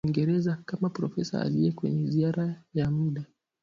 kaskazini mwa Uingereza kama profesa aliye kwenye ziara ya mda